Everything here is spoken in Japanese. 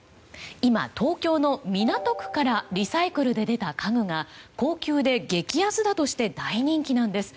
今、東京の港区からリサイクルで出た家具が高級で激安だとして大人気なんです。